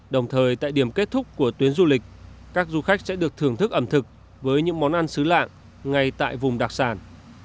đồng thời tại điểm kết thúc của tuyến du lịch các du khách sẽ được thưởng thức ẩm thực với những món ăn xứ lạng ngay tại vùng đặc sản